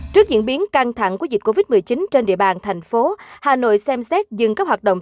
trước diễn biến căng thẳng của dịch covid một mươi chín trên địa bàn thành phố hà nội xem xét dừng các hoạt động